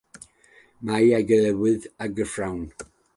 Mae ei gywilydd yn gyflawn.